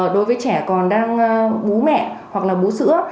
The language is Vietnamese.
đối với trẻ còn đang bố mẹ hoặc là bú sữa